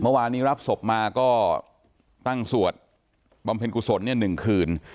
เมื่อวานนี้รับศพมาก็ตั้งสวดบำเพ็ญกุศล๑คืน